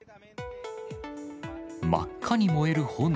真っ赤に燃える炎。